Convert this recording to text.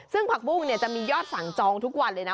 ซึ่งผักบุ้งเนี่ยจะมียอดสั่งจองทุกวันเลยนะ